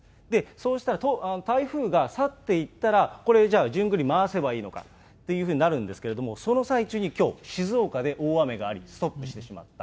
そうしたら、台風が去っていったら、これじゃあ、順繰り回せばいいのかというふうになるんですけれども、その最中にきょう、静岡で大雨がありストップしてしまった。